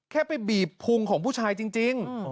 แค่ไปบีบพุงของผู้ชายจริงจริงอ๋อ